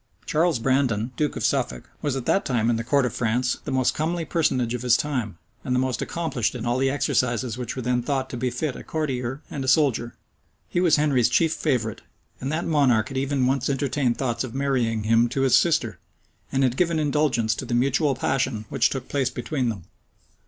Charles Brandon, duke of Suffolk, was at that time in the court of France, the most comely personage of his time, and the most accomplished in all the exercises which were then thought to befit a courtier and a soldier. He was Henry's chief favorite; and that monarch had even once entertained thoughts of marrying him to his sister, and had given indulgence to the mutual passion which took place between them.